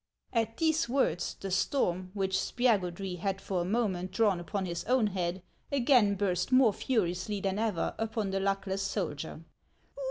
At these words, the storm, which Spiagudry had for a moment drawn upon his own head, again burst more furiously than ever upon the luckless soldier.